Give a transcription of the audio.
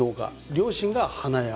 両親が花屋。